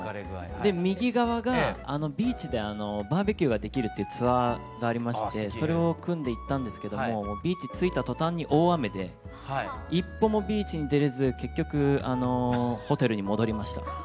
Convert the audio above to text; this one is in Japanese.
で右側がビーチでバーベキューができるっていうツアーがありましてそれを組んで行ったんですけどもビーチ着いた途端に大雨で一歩もビーチに出れず結局ホテルに戻りました。